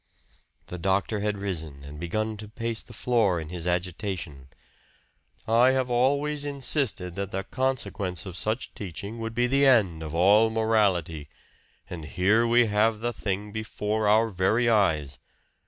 The doctor had risen and begun to pace the floor in his agitation. "I have always insisted that the consequence of such teaching would be the end of all morality. And here we have the thing before our very eyes!